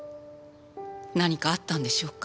何かあったんでしょうか？